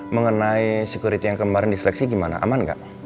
mengenai security yang kemarin diseleksi gimana aman gak